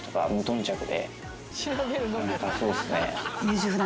そうっすね。